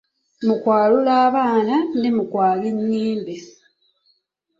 Mu kwalula abaana ne mu kwabya ennyimbe.